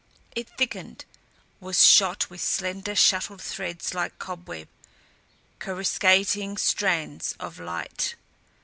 It thickened, was shot with slender shuttled threads like cobweb, coruscating strands of light.